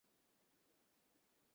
তিনি চিকিৎসা তত্ত্বাবধানে রয়েছেন।